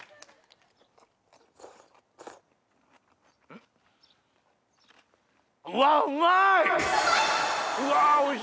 うわうまい！